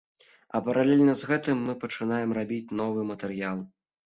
А паралельна з гэтым мы пачынаем рабіць новы матэрыял.